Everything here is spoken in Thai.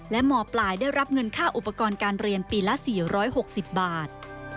และมปลายได้รับเงินค่าอุปกรณ์การเรียนปีละ๔๖๐บาท